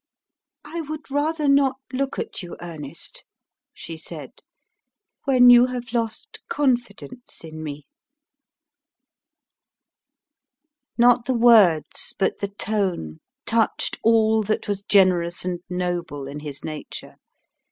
"I would rather not look at you, Ernest," she said, "when you have lost confidence in me." Not the words, but the tone, touched all that was generous and noble in his nature.